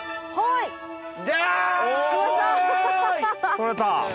取れた！